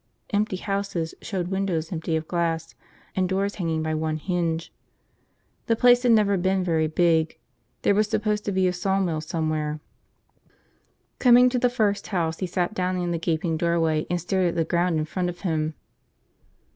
Empty houses showed windows empty of glass and doors hanging by one hinge. The place had never been very big. There was supposed to be a sawmill somewhere. Coming to the first house he sat down in the gaping doorway and stared at the ground in front of him.